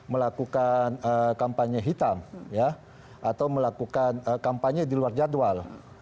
melakukan kampanye hitam atau melakukan kampanye di luar jadwal